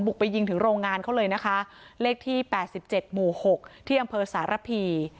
ไปยิงถึงโรงงานเขาเลยนะคะเลขที่๘๗หมู่๖ที่อำเภอสารพี